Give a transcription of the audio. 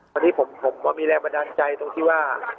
ตอนนี้ผมก็มีแรงบันดาลใจตรงที่ว่า